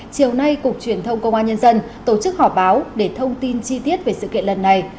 chiều nay cục truyền thông công an nhân dân tổ chức họp báo để thông tin chi tiết về sự kiện lần này